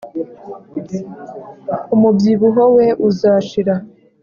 umubyibuho we uzashira.